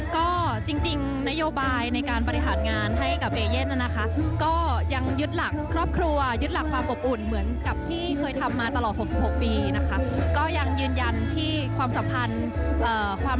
ก็จริงนโยบายในการปฏิหารงานให้กับเอเย่นนะคะ